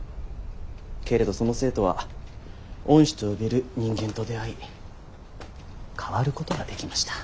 けれどその生徒は恩師と呼べる人間と出会い変わることができました。